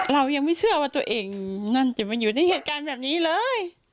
เรายังไม่เชื่อว่าตัวเองนั่นจะมาอยู่ในเหตุการณ์แบบนี้เลย